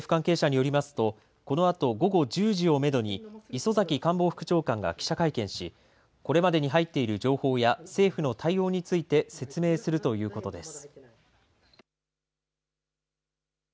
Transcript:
政府関係者によりますとこのあと午後１０時をめどに、磯崎官房副長官が記者会見しこれまでに入っている情報や政府の対応について説明するということです。